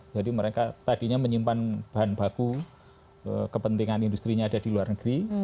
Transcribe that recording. jadi mereka tadinya menyimpan bahan baku kepentingan industri ada di luar negeri